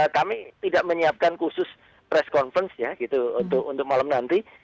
kami tidak menyiapkan khusus press conference untuk malam nanti